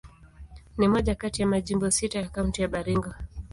Ni moja kati ya majimbo sita ya Kaunti ya Baringo.